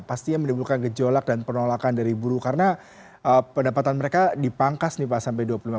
pastinya menimbulkan gejolak dan penolakan dari buruh karena pendapatan mereka dipangkas nih pak sampai dua puluh lima juta